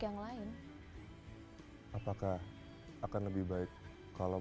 mas yang lain get canga mbau mikra